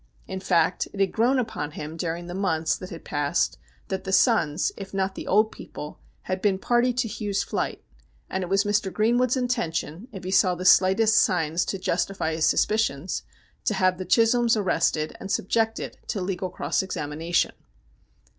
In fact, it had grown upon him during the months that had passed that the sons, if not the old people, had been party to Hugh's flight, and it was Mr. Greenwood's intention, if he saw the slightest signs to justify his suspicions, to have the Chisholms arrested and subjected to legal cross examination.